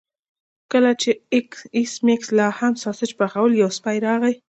کله چې ایس میکس لاهم ساسج پخول یو سپی راغی